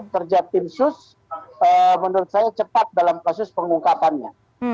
kerja tim sus menurut saya cepat dalam kasus pengungkapannya